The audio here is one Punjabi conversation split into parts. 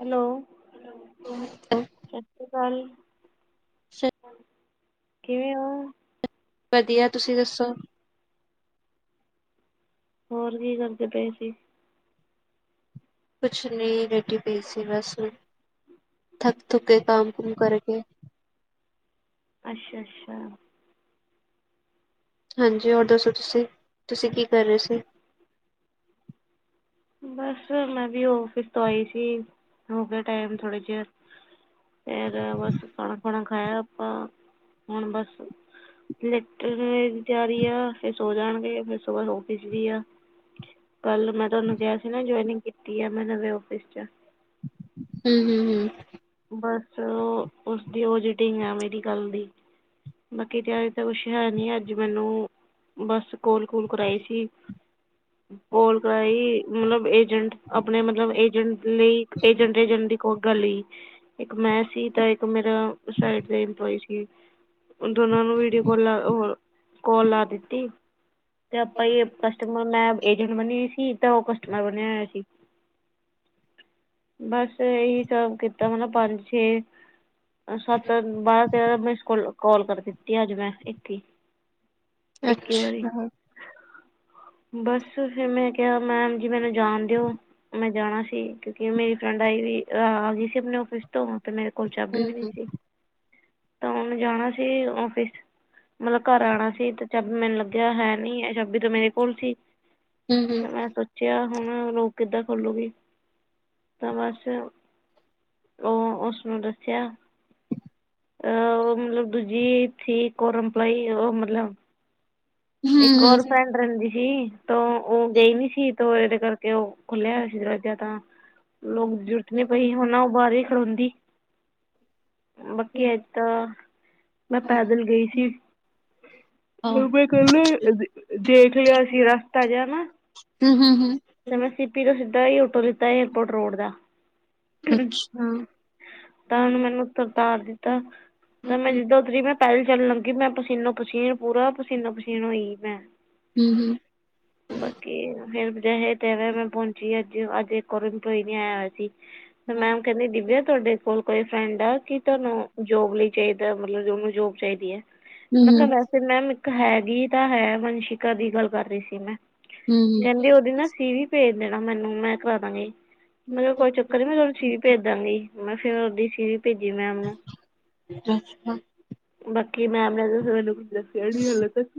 ਹੈਲੋ [inaudible] ਸਤਿ ਸ੍ਰੀ ਅਕਾਲ ਕਿਵੇਂ ਓਂ। ਵਧੀਆ ਤੁਸੀਂ ਦੱਸੋ। ਹੋਰ ਕੀ ਕਰਦੇ ਪਏ ਸੀ। ਕੁਛ ਨਹੀਂ ਡਟੀ ਪਈ ਸੀ ਬਸ ਥੱਕ ਥੁੱਕ ਕੇ ਕੰਮ ਕੁਮ ਕਰਕੇ ਅੱਛਾ-ਅੱਛਾ ਹਾਂਜੀ ਹੋਰ ਦੱਸੋ ਤੁਸੀਂ-ਤੁਸੀਂ ਕੀ ਕਰ ਰਹੇ ਸੀ। ਬਸ ਮੈਂ ਵੀ ਔਫਿਸ ਤੋਂ ਆਈ ਸੀ ਹੋ ਗਿਆ ਟਾਈਮ ਥੋੜੇ ਜਰ ਫਿਰ ਬਸ ਖਾਣਾ ਖੁਣਾ ਖਾਇਆ ਆਪਾਂ ਹੁਣ ਬਸ ਲੈਟਣ ਦੀ ਤਿਆਰੀ ਆ ਫਿਰ ਸੋ ਜਾਣਗੇ ਫਿਰ ਸੁਬਾਹ ਔਫਿਸ ਵੀ ਆ। ਕੱਲ ਮੈਂ ਤੁਹਾਨੂੰ ਕਿਆ ਸੀ ਨਾ ਜਆਇਨਿੰਗ ਕੀਤੀ ਆ ਮੈਂ ਨਵੇਂ ਔਫਿਸ 'ਚ ਹੂੰ-ਹੂੰ-ਹੂੰ ਬਸ ਉਸਦੀ ਉਹਜੀਿਟਿੰਗ ਆ ਮੇਰੀ ਗੱਲ ਦੀ ਬਾਕੀ ਤਿਆਰੀ ਤਾਂ ਕੁਛ ਹੈ ਨੀ ਅੱਜ ਮੈਨੂੰ ਬਸ ਕੋਲ-ਕੋਲ ਕਰਾਈ ਸੀ ਕੋੋਲ ਕਰਾਈ ਮਤਲਬ ਇਹ ਏਜੰਟ ਆਪਣੇ ਮਤਲਬ ਏਜੰਟ ਲਈ ਏਜੰਟ ਏਜੰਟ ਦੀ ਕੋ ਗਲੀ ਇੱਕ ਮੈਂ ਸੀ ਤਾਂ ਇੱਕ ਮੇਰਾ ਸਾਈਡ ਦੇ ਇੰਪਲੋਈ ਸੀ। ਦੋਨਾਂ ਨੂੰ ਵੀਡੀਓ ਕਾੱਲ-ਕਾੱਲ ਲਾ ਦਿੱਤੀ ਤੇ ਆਪਾਂ ਈ ਤੇ ਮੈਂ ਏਜੰਟ ਬਣੀ ਹੋਈ ਸੀ ਤਾਂ ਉਹ ਕਸਟਮਰ ਬਣਿਆ ਹੋਇਆ ਸੀ। ਬੱਸ ਇਹੀ ਸਭ ਕਿ ਤਾਂ ਮਤਲਬ ਪੰਜ ਛੇ ਸਤ ਬਾਰਾਂ ਤੇਰਾਂ ਮਿਸ ਕੋਲਾਂ ਕਾਲ ਕਰ ਦਿੱਤੀ ਅੱਜ ਮੈਂ ਇੱਕ ਇੱਕੀ ਵਾਰੀ ਅੱਛਾ ਹੂੰ ਬਸ ਫਿਰ ਮੈਂ ਕਿਆ ਮੈਮ ਜੀ ਮੈਨੂੰ ਜਾਣ ਦਿਓ। ਮੈਂ ਜਾਣਾ ਸੀ ਕਿਉਂਕਿ ਮੇਰੀ ਫਰੈਂਡ ਆਈ ਵੀ ਅਹ ਆ ਗਈ ਸੀ। ਆਪਣੇ ਔਫਿਸ ਤੋਂ ਤੇ ਮੇਰੇ ਕੋਲ ਚਾਬੀ ਹੂੰ ਵੀ ਹੂੰ ਨਈ ਸੀ ਤਾਂ ਉਹਨੂੰ ਜਾਣਾ ਸੀ ਔਫਿਸ ਮਤਲਬ ਘਰ ਆਣਾ ਸੀ ਤੇ ਚਾਬ ਮੈਨੂੰ ਲੱਗਿਆ ਹੈ ਨ ਚਾਬੀ ਤੇ ਮੇਰੇ ਕੋਲ ਸੀ। ਹੂੰ ਹੂੰ ਤੇ ਮੈਂ ਸੋਚਿਆ ਹੁਣ ਲੋਕ ਕਿੱਦਾਂ ਖੋਲੂਗੀ ਤਾਂ ਬਸ ਓ ਉਸਨੂੰ ਦੱਸਿਆ। ਅਹ ਉਹ ਮਤਲਬ ਦੂਜੀ ਸੀ ਕੋਰਪਲਾਈ ਉਹ ਮਤਲਬ ਹੂੰ ਇੱਕ ਹੋਰ ਹੂੰ ਫਰੈਂਡ ਰੈਂਦੀ ਹੀ ਤ ਉਹ ਗਈ ਨਈ ਸੀ। ਤੇ ਇਹਦੇ ਕਰਕੇ ਉਹ ਖੁੱਲਿਆ ਹੋਇਆ ਸੀ ਇਜਾਂ ਤਾਂ ਲੋਕ ਜ਼ਰੂਰਤ ਨਹੀਂ ਪਈ ਹੁਣ ਬਾਰ ਈ ਖੜੋਂਦੀ। ਬਾਕੀ ਅੱਜ ਤਾਂ ਮੈਂ ਪੈਦਲ ਗਈ ਸੀ। ਹਾਂ ਪਹਲੇ ਦੇਖ ਲਿਆ ਸੀ ਰਸਤਾ ਜਿਹਾ ਨਾ। ਹੂੰ ਹੂੰ ਤੇ ਮੈਂ ਸੀਪੀ ਤੋਂ ਸਿੱਧਾ ਆਟੋ ਲਿੱਤਾਂ ਏਅਰਪੋਰਟ ਰੋਡ ਦਾ ਅੱਛਾ ਤਾਂ ਹੂੰ ਹੂੰ ਉਹਨੂੰ ਮੈਨੂੰ ਉਤਾਰ ਦਿੱਤਾ ਹੂੰ ਤਾਂ ਮੈਂ ਜਿੱਦਾਂ ਉਤਰੀ ਮੈਂ ਪਹਿਲ ਚੱਲਣ ਲੱਗੀ ਮੈਂ ਪਸੀਨੋ ਪਸੀਨ ਪੂਰਾ ਪਸੀਨੋ ਪਸੀਨ ਹੋਈ ਮੈਂ। ਹਮ ਹਮ ਬਾਕੀ ਫੇਰ ਜੀਵੇ ਤੇਵੇਂ ਮੈਂ ਪਹੁੰਚੀ ਅੱਜ ਅੱਜ ਇੱਕ ਹੋਰ ਕੋਈ ਨਹੀ ਆਇਆ ਸੀ। ਫਿਰ ਮੈਮ ਕਹਿੰਦੀ ਦਿਵਿਆ ਤੁਹਾਡੇ ਕੋਲ ਕੋਈ ਫਰੈਂਡ ਆ ਕਿ ਤੁਹਾਨੂੰ ਜੋਬ ਲਈ ਚਾਹੀਦਾ ਮਤਲਬ ਉਹਨੂੰ ਜੋਬ ਚਾਹੀਦੀ ਹੈ ਮੈਂ ਕਿਹਾ ਵੈਸੇ ਮੈਮ ਇੱਕ ਹੈ। ਇਹ ਤਾਂ ਹੈ ਮੰਸ਼ਿਕਾ ਦੀ ਗੱਲ ਕਰ ਰਹੀ ਸੀ ਮੈਂ ਕਹਿੰਦੀ ਵੀ ਨਾ ਸੀ ਵੀ ਭੇਜ ਦੇਣਾ ਮੈਨੂੰ ਮੈਂ ਕਰਾ ਦਾਂਗੀ। ਮਤਲਬ ਕੋਈ ਚੱਕਰ ਨੀ ਮੈਂ ਤੁਹਾਨੂੰ ਛੇ ਭੇਜਦਾਂਗੀ ਮੈਂ ਫੇਰ ਉਹਦੀ ਸੀ ਵੀ ਛੇ ਭੇਜੀ ਮੈਨ ਹੂੰ ਅੱਛਾ। ਬਾਕੀ ਮੈਮ ਨੇ ਤੁਸੀ ਮੈਨੂੰ ਕੁੱਛ ਦੱਸਿਆ ਨੀ ਹਾਲੇ ਤੱਕ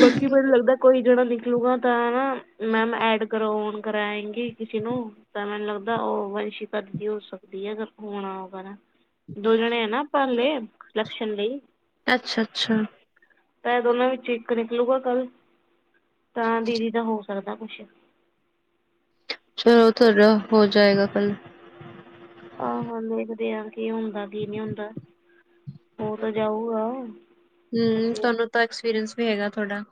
ਬਾਕੀ ਮੈਨੂੰ ਲੱਗਦਾ ਕੋਈ ਜਣਾ ਨਿਕਲੂਗਾ ਤਾਂ ਨਾ ਮੈਮ ਐਡ ਕਰਾਉਣ ਕਰਏਗੇ ਕਿਸੇ ਨੂੰ ਤਾਂ ਮੈਨੂੰ ਲੱਗਦਾ ਉਹ ਵੰਸ਼ਿਕਾ ਵੀ ਹੋ ਸਕਦੀ ਹੈ ਨਾ ਫੋਨ ਆਊਗਾ ਨਾ। ਦੋ ਜਣੇ ਹੈ ਨਾ ਆਪਾ ਹਲੇ ਲਕਸ਼ਣ ਲਈ ਅੱਛਾ, ਅੱਛਾ। ਤਾਂ ਇਹ ਦੋਨਾਂ ਵਿੱਚੋਂ ਇੱਕ ਨਿਕਲੂਗਾ ਕੱਲ ਤਾਂ ਦੀਦੀ ਦਾ ਹੋਰ ਕਰਦਾ ਕੁਛ। ਚਲੋ ਤੁਹਾਡਾ ਹੋ ਜਾਏਗਾ ਕੱਲ। ਹਾਂ ਦੇਖਦੇ ਆ ਕੀ ਹੁੰਦਾ। ਕੀ ਕੀ ਹੁੰਦਾ ਹੋ ਤਾਂ ਜਾਊਗਾ। ਹੂੰ ਤੁਹਾਨੂੰ ਤਾਂ ਐਕਸਪੀਰੀਅੰਸ ਵੀ ਹੈਗਾ ਤੁਹਾਡਾ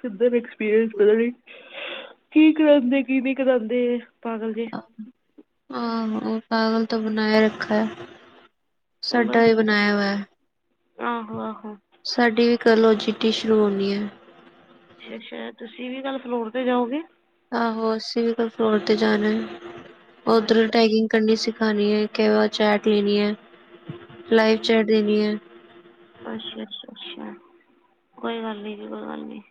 ਕਿੱਦਾਂ ਦਾ ਐਕਸਪੀਰੀਅੰਸ ਪਤਾ ਨੀ। ਕੀ ਕਰਾਂਦੇ ਕੀ ਨਹੀਂ ਕਰਾਉਂਦੇ ਪਾਗਲ ਜੇ ਆਹੋ ਪਾਗਲ ਤੋਂ ਬਣਾਏ ਰੱਖਾ ਹੈ। ਸਾਡਾ ਬਸ ਈ ਬਣਾਇਆ ਹੋਇਆ। ਆਹੋ ਆਹੋ ਸਾਡੀ ਵੀ ਕੱਲ ਛੁੱਟੀ ਸ਼ੁਰੂ ਹੁੰਦੀਆਂ। ਅੱਛਾ, ਅੱਛਾ ਤੁਸੀਂ ਵੀ ਕੱਲ੍ਹ ਫਲੋਰ ਤੇ ਜਾਓਗੇ? ਆਹੋ ਅਸੀਂ ਵੀ ਕੱਲ ਫਲੋਰ ਤੇ ਜਾਣਾ ਹੈ ਉਧਰ ਅੱਛਾ ਟੈਗੀ ਅੱਛਾ ਕਰਨੀ ਸਿਖਾਉਣੀ ਹੈ ਕਿ ਚੈਟ ਲੈਣੀ ਹੈ ਲਾਈਵ ਚੈਟ ਦੇਣੀ ਹੈ। ਅੱਛਾ, ਅੱਛਾ, ਅੱਛਾ ਕੋਈ ਗੱਲ ਨੀ ਜੀ ਕੋਈ ਗੱਲ ਨੀ।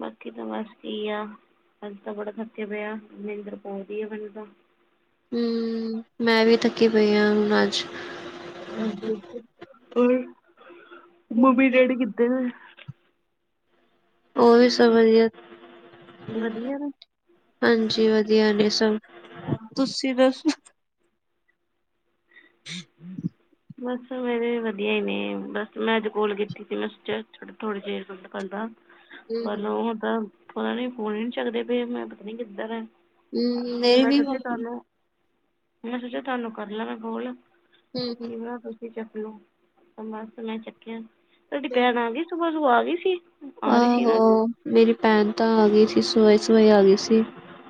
ਬਾਕੀ ਤਾਂ ਬਸ ਕੀ ਆ। ਅਜ ਤਾਂ ਬੜਾ ਥੱਕੇ ਪਏ ਆ ਨਿੰਦਰ ਪਾਂਉਂਦੀ ਆ ਮੈਨੂੰ ਤਾਂ ਹੂੰ, ਮੈਂ ਵੀ ਥੱਕੀ ਪਈ ਹਾਂ ਹੁਣ ਅੱਜ। ਓਕੇ, ਓਕੇ ਹੋਰ ਮੰਮੀ ਡੈਡੀ ਕਿੱਧਰ? ਉਹ ਵੀ ਸਭ ਵਧੀਆ। ਵਧੀਆ ਨੇ ਹਾਂਜੀ ਵਧੀਆ ਨੇ ਸਭ ਤੁਸੀਂ ਦੱਸੋ? ਹਮ ਹਮ ਬਸ ਮੇਰੇ ਵਧੀਆ ਹੀ ਨੇ ਬਸ ਮੈਂ ਅੱਜ ਕੋਲ ਕੀਤੀ ਸੀ ਮੈਂ ਸੋਚਿਆ ਥੋੜੀ ਦੇਰ ਬਾਦ ਕਰਦਾ। ਹਮ ਪਰ ਉਹ ਤਾਂ ਪਤਾ ਨੀ ਫੋਨ ਹੀ ਨੀ ਚੱਕਦੇ ਪਏ ਮੈਂ ਪਤਾ ਨੀ ਕਿੱਧਰ ਹੈ। ਹਮ ਮੇਰੇ ਮੈਂ ਵੀ ਸੋਚਿਆ ਤੁਹਾਨੂੰ ਮੈਂ ਸੋਚਿਆ ਤੁਹਾਨੂੰ ਕਰ ਲਵਾਂ ਮੈਂ ਕੋਲ਼। ਹਮ ਠੀਕ ਹ ਬਰੋ ਮੈਂ ਚੱਕਲ ਬਸ ਮੈਂ ਚੱਕਿਆ ਤੁਹਾਡੀ ਭੈਣ ਆ ਗਈ ਸੁਬਾਹ ਸੁ ਆ ਗਈ ਸੀ? ਆ ਰਹੀ ਸੀ ਆਹੋ ਨਾ ਅੱਜ ਮੇਰੀ ਭੈਣ ਤਾਂ ਆ ਗਈ ਸੀ ਸੁਬਹਾ ਸੁਬਾਹ ਹੀ ਆ ਗਈ ਸੀ।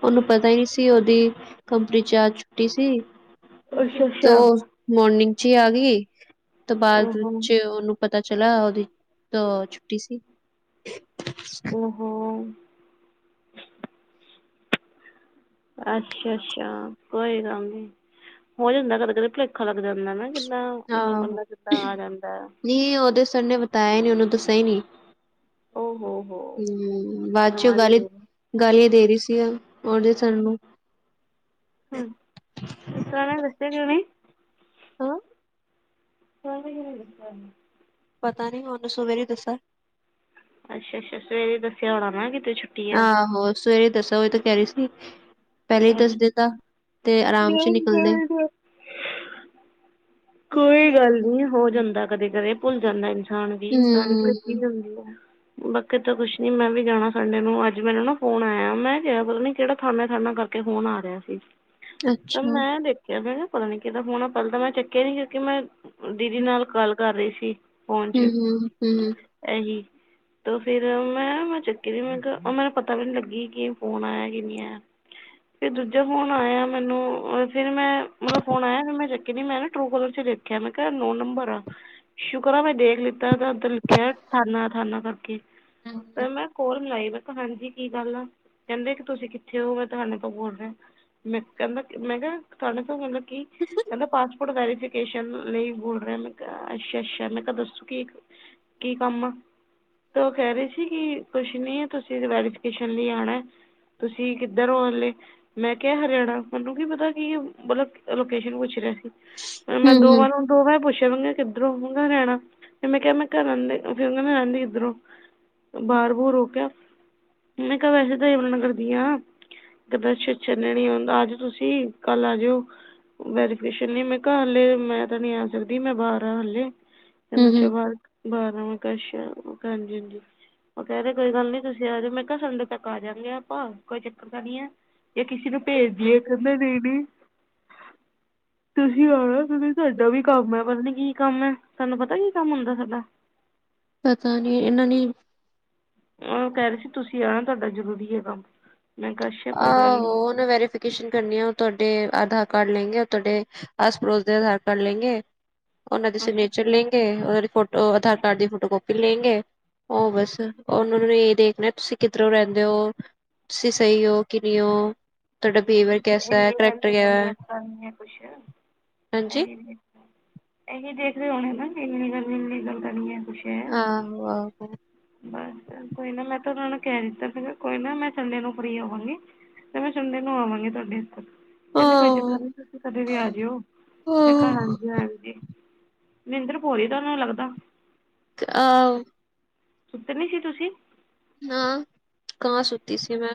ਉਨੂੰ ਪਤਾ ਹੀ ਸੀ ਉਹਦੀ ਕੰਪਨੀ ਚ ਅੱਜ ਛੁੱਟੀ ਸੀ। ਅੱਛਾ ਅੱਛਾ ਤੋ ਮੋਰਨਿੰਗ ਚ ਹੀ ਆ ਗੀ ਤੇ ਬਾਦ ਓਹੋ ਵਿੱਚ ਉਨੂੰ ਪਤਾ ਚਲਾ ਓਦੀ ਤੋਂ ਛੁੱਟੀ ਸੀ। ਓ ਹੋ ਅੱਛਾ-ਅੱਛਾ ਕੋਈ ਗੱਲ ਨੀ ਹੋ ਜਾਂਦਾ ਕਦੇ-ਕਦੇ ਪਲੇਖਾ ਲੱਗ ਜਾਂਦਾ ਨਾ ਕਿੱਦਾਂ ਓਨਾ ਬੰਦਾ ਕਿੱਦਾਂ ਆ ਜਾਂਦਾ ਨੀ ਓਦੇ ਸਰ ਨੇ ਬਤਾਇਆ ਹੀ ਨੀ ਓਨੂੰ ਦੱਸਿਆ ਈ ਨੀ। ਓ ਹੋ ਹੋ ਮੈਂ ਤੇ ਮੱਰ ਹੀ ਗਈ। ਗਾਲੀਆਂ ਦੇ ਰੀ ਸੀ ਓ ਤੇ ਸਾਨੂੰ। ਹਮ ਓ ਸਾਰਾ ਦੱਸੇ ਕਿਉ ਨੀ ਹਾਂ ਬਾਈਨਲੀ ਕਿੰਨੇ ਦੱਸਿਆ? ਪਤਾ ਨੀ ਮੈਂ ਉਨੂੰ ਸਵੇਰੇ ਦੱਸਾਂ। ਅੱਛਾ-ਅੱਛਾ ਸਵੇਰੇ ਦੱਸਿਆ ਹੋਣਾ ਨਾ ਕਿਤੇ ਛੂੱਟ ਆਹੋ ਸਵੇਰੇ ਦੱਸਾਂ ਓ ਤੋਂ ਕਹਿ ਰੀ ਸੀ। ਪਹਿਲੇ ਹੀ ਦੱਸਦੇ ਤ ਤੇ ਆਰਾਮ ਚ ਨਿਕਲਦੇ ਅੱਛਾ ਕੋਈ ਗੱਲ ਹਮ ਨੀ ਹੋ ਜਾਂਦਾ ਕਦੇ-ਕਦੇ ਪੁੱਲ ਜਾਂਦਾ ਇਨਸਾਨ ਵੀ ਇਨਸਾਨ ਇਕੀ ਜਾਂਦੀ ਏ ਬਾਕੀ ਤਾਂ ਕੁਛ ਨੀ ਮੈਂ ਵੀ ਜਾਣਾ ਸੰਡੇ ਨੂੰ ਅੱਜ ਮੈਨੂੰ ਨਾ ਫੋਨ ਆਇਆ ਮੈਂ ਗਿਆ ਪਤਾ ਨੀ ਕਿਹੜਾ ਥਾਨਾ ਥਾਨਾ ਕਰ ਕੇ ਫੋਨ ਆ ਰਿਹਾ ਸੀ ਤਾਂ ਅੱਛਾ ਮੈਂ ਦੇਖ ਕਹਿੰਦੇ ਮੈਂ ਪਤਾ ਨੀ ਕਿਦਾ ਫੋਨ ਆ ਪਲੇ ਤਾਂ ਮੈਂ ਚੱਕਿਆ ਨੀ ਕਿਉਂਕਿ ਮੈਂ ਦੀਦੀ ਨਾਲ ਕਾਲ ਕਰ ਰਹੀ ਸੀ। ਫੋਨ ਚ ਹਮ ਹਮ ਹਮ ਐਹੀ ਤੇ ਫੇਿਰ ਮੈਂ ਮੈਂ ਚੱਕੀ ਮੈਂ ਮੈਨੂੰ ਪਤਾ ਵੀ ਨੀ ਲੱਗੀ ਕਿ ਫੋਨ ਆਇਆ ਕਿ ਨੀ ਆਇਆ। ਫਿਰ ਦੂਜਾ ਫੋਨ ਆਇਆ ਮੈਨੂੰ ਫਿਰ ਮੈਂ ਮਤਲਬ ਫੋਨ ਆਇਆ ਮੈਂ ਚੱਕਿਆ ਨ ਮੈਂ ਨਾ ਟੂ ਕੋਲਰ ਚ ਦੇਖਿਆ ਕਿਆ ਮੈਂ ਕੇਹਾ ਨੋ ਨੰਬਰ ਆ। ਸ਼ੁਕਰ ਆ ਮੈਂ ਦੇਖ ਲਿੱਤਾ ਉੱਧਰ ਲਿਖਿਆ ਠਾਨਾ ਅਠਾਨਾ ਕਰਕੇ ਹਮ ਤੇ ਮੈਂ ਕੋਰ ਮਿਲਾਈ ਮੈਂ ਕਿਹਾ ਹਾਂਜੀ ਕੀ ਗੱਲ ਆ ਕਹਿੰਦੇ ਕਿ ਤੁਸੀਂ ਕਿੱਥੇ ਹੋ ਮੈਂ ਤੁਹਾਨੂੰ ਬੋਲ ਰਿਹਾ ਮੈਂ ਕਹਿੰਦਾ ਮੈਂ ਕਿਹਾ ਤੁਹਾਡੇ ਤੋਂ ਮਤਲਬ ਕੀ ਕਹਿੰਦਾ ਪਾਸਪੋਰਟ ਵੈਰੀਫਿਕੇਸ਼ਨ ਲਈ ਬੋਲ ਰਿਹਾ ਮੈਂ ਕੇਹਾ ਅੱਛਾ-ਅੱਛਾ। ਦੱਸੋ ਕੀ ਕੀ ਕੰਮ ਆ? ਤਾਂ ਉਹ ਕਹਿ ਰਹੇ ਸੀ ਕਿ ਕੁਛ ਨੀ ਤੁਸੀਂ ਵੈਰੀਫਿਕੇਸ਼ਨ ਲਈ ਆਣਾ। ਤੁਸੀਂ ਕਿੱਧਰ ਓ ਐਲੇ? ਮੈਂ ਕਿਹਾ ਹਰਿਆਣਾ ਮਨੂੰ ਕੀ ਪਤਾ ਕੀ ਮਤਲਬ ਲੋਕੇਸ਼ਨ ਪੁੱਛ ਰਿਹਾ ਸੀ ਮੈਂ ਦੋ ਹਮ ਵਾਰ ਓ ਦੋ ਮਾਰ ਪੁੱਛਿਆ ਵਗ ਕਿੱਧਰੋਂ ਵਗਾ ਹਰਿਆਣਾ ਮੈਂ ਕਿਹਾ ਮੈਂ ਘਰ ਫਿਰ ਰਹਿੰਦੀ ਇੱਧਰੋਂ। ਬਾਹਰ-ਬੂਰ ਹੋ ਕਿਆ ਮੈਂ ਕਿਹਾ ਵੈਸੇ ਤਾਂ ਯਮਨਾ ਨਗਰ ਦੀ ਆਂ। ਕਿਦ ਛਛ ਨੀ ਆਂਦਾ ਆਜਓ ਤੁਸੀਂ ਕੱਲ ਆ ਜਾਓ ਵੈਰੀਫਿਕੇ ਨ ਮੈਂ ਹੱਲੇ ਮੈਂ ਤਾਂ ਨੀ ਆ ਸਕਦੀ ਮੈਂ ਬਾਹਰ ਆ ਹੱਲੇ ਕਿੰਹਦਾ ਹਮ ਅੱਛਾ ਹਮ ਬਾਰ ਬਾਰ ਹਾਂ ਮੈਂ ਕੇਹਾ ਅੱਛਾ ਹਾਂਜੀ-ਹਾਂਜੀ। ਉਹ ਕਹਿ ਰੇ ਕੋਈ ਗੱਲ ਨੀ ਤੁਸੀਂ ਆ ਜੋ ਮੈਂ ਕਿਹਾ ਸੰਡੇ ਤੱਕ ਆ ਜਾਂਗੇ ਆਪਾਂ ਕੋਈ ਚੱਕਰ ਤਾਂ ਨੀ ਐ। ਜਾਂ ਕਿਸੇ ਨੂੰ ਭੇਜਦੀਏ ਕਹਿੰਦਾ ਨਈ-ਨਈ ਤੁਸੀਂ ਆਣਾ। ਸਾਡਾ ਵੀ ਕੰਮ ਐ ਪਤਾ ਨੀ ਕੀ ਕੰਮ ਹੈ ਸਾਨੂੰ ਪਤਾ ਕੀ ਕੰਮ ਹੁੰਦਾ ਸਾਡਾ? ਪਤਾ ਨੀ ਏਨਾਂ ਨੇ ਓ ਕਹਿ ਰਹੇ ਸੀ ਤੁਸੀਂ ਆਣਾ ਤੁਹਾਡਾ ਜ਼ਰੂਰੀ ਏ ਕੰਮ। ਮੈਂ ਕਿਹਾ ਅੱਛਾ ਕੋਈ ਗੱਲ ਆਹੋ ਨਹੀਂ ਉਨੇ ਵੈਰੀਫ ਕੇਸ਼ਨ ਕਰਨੀ ਐ ਓ ਤੁਹਾਡੇ ਆਧਾਰ ਕਾਰਡ ਲੈਂਗੇ ਤੁਹਾਡੇ ਆਸ-ਪੜੋਸ ਦੇ ਆਧਾਰ ਕਾਰਡ ਲੇਂਗੇ। ਉਹਨਾਂ ਦੇ ਸਿਗਨੇਚਰ ਅੱਛਾ ਲੇਂਗੇ ਅੱਛਾ ਉਨਾਂ ਦੀ ਫੋਟੋ ਆਧਾਰ ਕਾਰਡ ਦੀ ਫੋਟੋ ਕਪੀ ਲੇਂਗੇ ਉਹ ਬਸ ਉਹਨਾਂ ਨੂੰ ਇਹ ਦੇਖਣਾ, ਤੁਸੀਂ ਕਿੱਧਰੋਂ ਰਹਿੰਦੇ ਹੋ ਤੁਸੀਂ ਸਹੀ ਹੋ? ਕਿਹਦੀ ਓ? ਇ ਗ ਹੈ ਗੱਲਨੀਆਂ ਖੁਸ਼ ਹਾਂਜੀ [unintelligible] ਇਹੀ ਦੇਖਦੇ ਹੋਣੇ ਨਾ ਕਿ ਇੰਨੀ ਲਮੀ ਗੱਲ ਕਰਨੀ ਹੈ ਖੁਸ਼ ਆਹੋ-ਆਹੋ ਬਸ ਕੋਈ ਨਾ ਮੈਂ ਤਾਂ ਉਹਨਾਂ ਨੂੰ ਕਹਿ ਰਹਿ ਸੀਗਾ ਕੋਈ ਨਾ ਮੈਂ ਸੰਡੇ ਨੂੰ ਫ੍ਰੀ ਹੋਵਾਂਗੀ। ਤੇ ਮੈਂ ਵੀ ਸੰਡੇ ਨੂੰ ਆਵਾਂਗੀ ਤੁਹਾਡੇ ਓਥੇ। ਕਹਿੰਦੇ ਕੋਈ ਆਹੋ ਦਿਕਤ ਨੀ ਤੁਸੀਂ ਕਦੇ ਵੀ ਆਜਿਓ ਮੈਂ ਘਰ ਆ ਆਹੋ ਹਾਂਜੀ, ਮਹਿੰਦਰ ਪੋਰੀ ਤੁਹਾਨੂੰ ਲੱਗਦਾ। ਆਹ ਸੁਤੇ ਨੀ ਸੀ ਤੁਸੀਂ? ਨਾ ਕਾਂ ਸੁੱਤੀ ਸੀ ਮੈਂ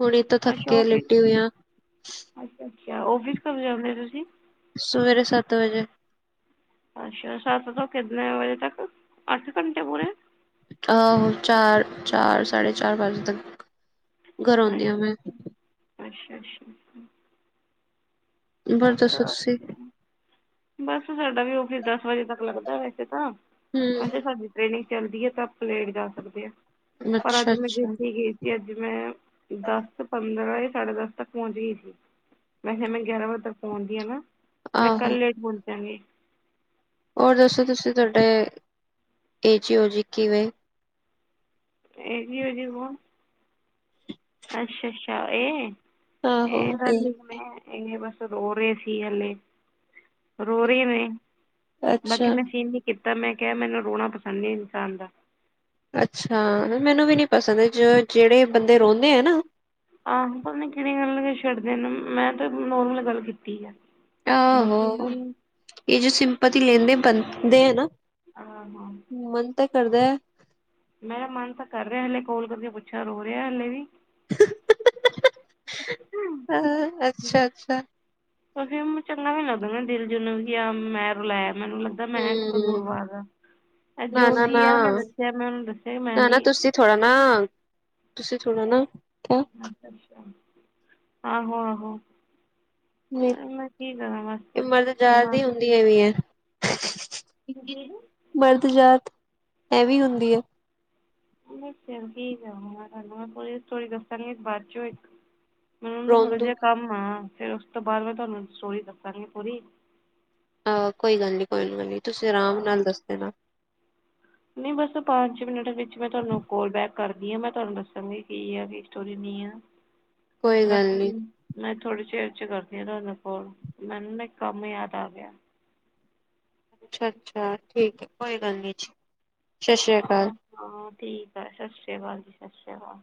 ਹੁਣੀ ਤਾਂ ਥੱਕੇ ਲੇਟੀ ਹੋਈਆ। ਅੱਛਾ-ਅੱਛਾ, ਆਫ਼ਿਸ ਕਦੋਂ ਜਾਂਦੇ ਹੋ ਤੁਸੀਂ? ਸਵੇਰੇ ਸੱਤ ਵਜੇ। ਅੱਛਾ, ਸੱਤ ਤੋਂ ਕਿਨੇ ਵਜੇ ਤੱਕ, ਅੱਠ ਘੰਟੇ ਪੂਰੇ? ਆਹੋ, ਚਾਰ-ਚਾਰ ਸਾਢੇ ਚਾਰ ਵਜੇ ਤੱਕ ਘਰ ਆਉਂਦੀ ਆ ਮੈਂ। ਅੱਛਾ-ਅੱਛਾ। ਹੋਰ ਸੱਤ ਦੱਸੋ ਤੁਸੀਂ? ਬਸ ਸਾਡਾ ਵੀ ਆਫਿਸ ਦਸ ਵਜੇ ਤੱਕ ਲੱਗਦਾ ਵੈਸੇ ਤਾਂ, ਵੈਸੇ ਹਮ ਸਾਡੀ ਟ੍ਰੇਨਿੰਗ ਚੱਲਦੀ ਹੈ ਤਾਂ ਆਪਾਂ ਲੇਟ ਜਾ ਸਕਦੇ ਹਾਂ, ਪਰ ਅੱਛਾ ਅੱਜ ਮੈਂ ਅੱਛਾ ਜਲਦੀ ਗਈ। ਕਿ ਅੱਜ ਮੈਂ ਦਸ ਪੰਦਰਾਂ ਜਾਂ ਸਾਢੇ ਦਸ ਤੱਕ ਪਹੁੰਚ ਗਈ ਸੀ। ਵੈਸੇ ਮੈਂ ਗਿਆਰਾਂ ਵਜੇ ਤੱਕ ਪਹੁੰਚਦੀ ਆ ਨਾ ਮੈਂ ਆਹੋ ਕੱਲ ਲੇਟ ਪਹੁੰਚਾਗੀ। ਹੋਰ ਦੱਸੋ ਤੁਸੀਂ ਤੁਹਾਡੇ ਏ ਜਓ ਜੀ ਕਿਵੇਂ? ਇਜੀ ਓ ਜੀ ਕੋਣ? ਅੱਛਾ-ਅੱਛਾ, ਇਹ ਆਹੋ ਇਹ ਤਾਂ ਠੀਕ ਨੇ। ਐ ਬਸ ਰੋਰੇ ਸੀ ਹਲੇ। ਰੋ ਰਹੇ ਨੇ, ਬਾਕੀ ਅੱਛਾ ਮੈਂ ਸੀਨ ਨੀ ਕੀਤਾ, ਮੈਂ ਕਿਹਾ ਮੈਨੂੰ ਰੋਣਾ ਪਸੰਦ ਨਹੀਂ ਇਨਸਾਨ ਦਾ। ਅੱਛਾ ਮੈਨੂੰ ਵੀ ਨੀ ਪਸੰਦ ਜਿਹੜੇ ਬੰਦੇ ਰੋਂਦੇ ਆ ਨਾ ਆਹੋ, ਪਤਾ ਨਹੀਂ ਕਿਹੜੀਆਂ ਗੱਲ ਛਿਡਦੇ ਨੇ ਮੈਂ ਤੇ ਨੋਰਮਲ ਗੱਲ ਕੀਤੀ ਆ। ਆਹੋ, ਬਾਕੀ ਇਹਨਾਂ ਨੇ ਇਹ ਜੋ ਸਿੰਪਤੀ ਲੈਂਦੇ ਬਣਦੇ ਹੈ ਨਾ। ਹਾਂ ਮਨ ਤੇ ਕਰਦਾ ਮੇਰਾ ਮਨ ਤਾਂ ਕਰ ਰਿਹਾ ਹਲੇ ਕਾੱਲ ਕਰਕੇ ਪੁੱਛਾ ਰੋ ਰਿਹਾ ਹਲੇ ਵੀ। ਹਾ ਹ, ਅੱਛਾ-ਅੱਛਾ। ਉਹ ਫਿਰ ਚੰਗਾ ਨੀ ਲਗਦਾ ਮੈਂ ਦਿਲ ਜੇ ਵੀ ਆ ਮੈਂ ਰੁਲਾਇਆ ਓਹਨਾ ਨੂੰ। ਮੈਂ ਹਮ ਕਸੂਰਵਾਰ ਆ ਨਾ ਨਾ ਜੋਸੀ ਨਾ ਆ ਉਹਨੇ ਦੱਸਿਆ ਮੈਂ ਉਹਨੂੰ ਦੱਸਿਆ ਮੈਂ ਨਾ ਨਾ ਨੀ ਤੁਸੀਂ ਥੋੜਾ ਨਾ ਤੁਸੀਂ ਥੋੜਾ ਨਾ ਅ ਆਹੋ-ਆਹੋ। ਮੈਂ ਕੀ ਕਰਾਂ ਬਸ? ਮਰਦ ਜਾਤ ਦੀ ਹੁੰਦੀ ਮਰਦ ਜਾਤ ਇਹ ਵੀ ਹੁੰਦੀ ਹੈ। ਹ [unintelligible] ਚੱਲ ਕੀ ਕਰਾ ਮੈ ਪੂਰੀ ਸਟੋਰੀ ਦੱਸਾਂਗੀ ਬਾਅਦ ਚੋਂ ਇੱਕ ਮੈਨੁ ਨਾ ਥੋੜਾ ਰੋਂਦੂ ਜਿਹਾ ਕੰਮ ਆ ਫੇਰ ਉਸ ਤੋਂ ਬਾਅਦ ਮੈਂ ਤੁਹਾਨੂੰ ਸਟੋਰੀ ਦੱਸਾਂਗੀ ਪੂਰੀ। ਆਹੋ ਕੋਈ ਗੱਲ ਨਹੀਂ-ਕੋਈ ਗੱਲ ਨਹੀਂ, ਤੁਸੀਂ ਆਰਾਮ ਨਾਲ ਦੱਸ ਦੇਨਾ। ਨਹੀਂ ਬਸ ਪੰਜ ਮਿੰਟ ਵਿੱਚ ਮੈਂ ਤੁਹਾਨੂੰ ਕਾੱਲ ਬੈਕ ਕਰਦੀ ਹਾਂ ਮੈਂ ਤੁਹਾਨੂੰ ਦੱਸਾਂਗੀ ਕੀ ਆ ਕੀ ਸਟੋਰੀ ਨਹੀਂ ਆ। ਕੋਈ ਗੱਲ ਨੀ ਬਾਕੀ ਮੈਂ ਥੋੜੇ ਚਿਰ ਚ ਕਰਦੀ ਹਾ ਤੁਹਾਨੋ ਕੋਲ ਮੈਨੂੰ ਨਾ ਇਕ ਕੰਮ ਯਾਦ ਆ ਗਿਆ ਅੱਛਾ ਅੱਛਾ ਠੀਕ ਹੈ ਕੋਈ ਗੱਲ ਨੀ ਜੀ ਸਤਿ ਸ੍ਰੀ ਅਕਾਲ ਹਾਂ ਹਾਂ ਠੀਕ ਆ ਸਤਿ ਸ਼੍ਰੀ ਅਕਾਲ ਜੀ ਸਤਿ ਸ਼੍ਰੀ ਅਕਾਲ